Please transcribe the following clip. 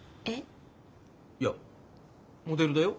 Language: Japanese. いやモデルだよ。